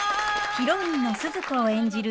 ヒロインのスズ子を演じる